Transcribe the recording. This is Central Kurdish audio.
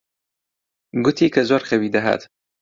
گوتی کە زۆر خەوی دەهات.